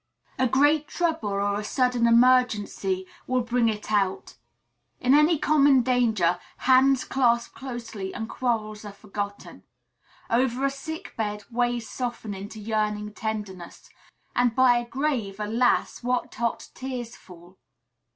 A great trouble or a sudden emergency will bring it out. In any common danger, hands clasp closely and quarrels are forgotten; over a sick bed hard ways soften into yearning tenderness; and by a grave, alas! what hot tears fall!